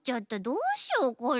どうしようこれ。